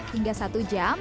hingga satu jam